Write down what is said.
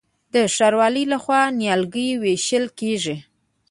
د ښاروالۍ لخوا نیالګي ویشل کیږي.